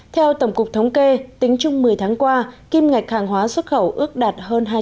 theo tổng cục thống kê tính chung một mươi tháng qua kim ngạch hàng hóa xuất khẩu ước đạt hơn